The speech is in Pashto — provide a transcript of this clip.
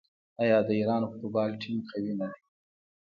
آیا د ایران فوټبال ټیم قوي نه دی؟